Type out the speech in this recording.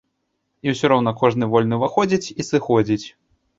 І ўсё роўна кожны вольны ўваходзіць і сыходзіць.